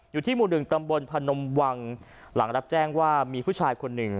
อยู่ที่หมู่หนึ่งตำบลพนมวังหลังรับแจ้งว่ามีผู้ชายคนหนึ่ง